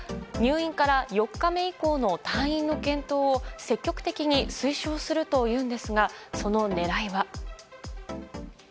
入院から４日目以降の退院の検討を、積極的に推奨するというんですが、そのねらいは。